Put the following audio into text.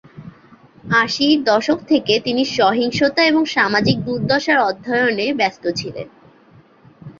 আশির দশক থেকে তিনি সহিংসতা এবং সামাজিক দুর্দশার অধ্যয়নে ব্যস্ত ছিলেন।